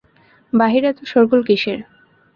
বাহিরে এত শোরগোল কিসের?